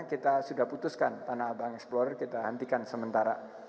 kita sudah putuskan tanah abang explore kita hentikan sementara